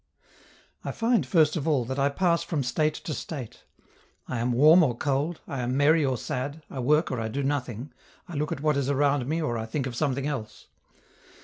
I find, first of all, that I pass from state to state. I am warm or cold, I am merry or sad, I work or I do nothing, I look at what is around me or I think of something else.